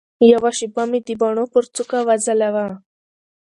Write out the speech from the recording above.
یوه شېبه مي د باڼو پر څوکه وځلوه